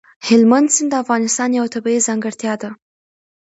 هلمند سیند د افغانستان یوه طبیعي ځانګړتیا ده.